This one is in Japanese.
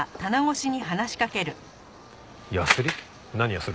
やすり？